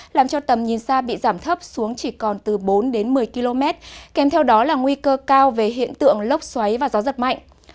làm cho tầm nhìn xa bị giảm thấp xuống chỉ còn từ bốn đến một mươi km kèm theo đó là nguy cơ cao về hiện tượng lốc xoáy và gió giật mạnh